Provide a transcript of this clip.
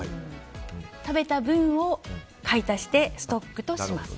食べた分を買い足してストックとします。